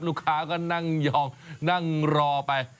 ลูกค้าก็นั่งยองนั่งรอไป